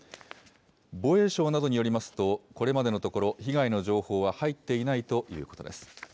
防衛省などによりますと、これまでのところ、被害の情報は入っていないということです。